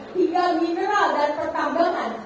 tiga mineral dan pertambangan